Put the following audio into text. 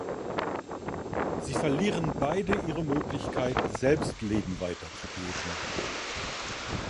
Sie verlieren beide ihre Möglichkeit, selbst Leben weiterzugeben.